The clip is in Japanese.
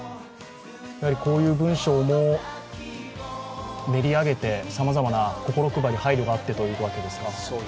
こういう文章も練り上げてさまざまな心配り、配慮があってということですか。